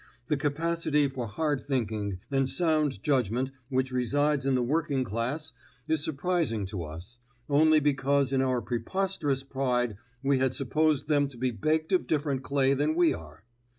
The capacity for hard thinking and sound judgment which resides in the working class is surprising to us, only because in our preposterous pride we had supposed them to be baked of different clay than we are.